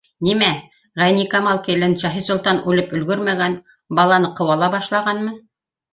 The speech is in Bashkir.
—Нимә, Ғәйникамал килен Шаһисолтан үлеп өлгөрмәгән, баланы ҡыуа ла башлағанмы?